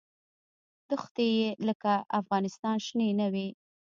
دښتې یې لکه افغانستان شنې نه وې.